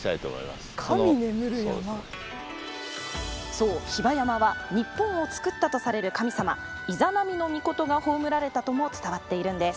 そう比婆山は日本をつくったとされる神様イザナミノミコトが葬られたとも伝わっているんです。